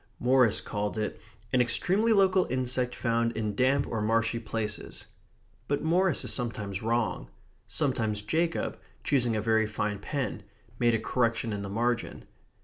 Morris called it "an extremely local insect found in damp or marshy places." But Morris is sometimes wrong. Sometimes Jacob, choosing a very fine pen, made a correction in the margin.